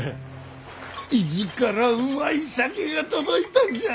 伊豆からうまい酒が届いたんじゃ。